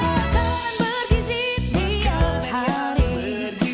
makanan berkisit tiap hari